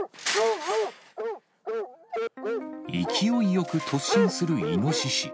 勢いよく突進するイノシシ。